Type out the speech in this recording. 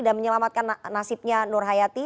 dan menyelamatkan nasibnya nur hayati